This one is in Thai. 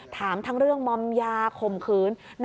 ถามทั้งเรื่องมอมยาข่มขืน